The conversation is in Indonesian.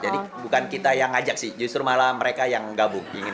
bukan kita yang ngajak sih justru malah mereka yang gabung